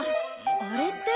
あれって？